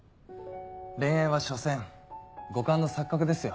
恋愛は所詮五感の錯覚ですよ。